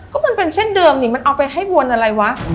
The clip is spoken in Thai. ก็มันเป็นเช่นเดิมนี่มันเอาไปให้วนอะไรวะ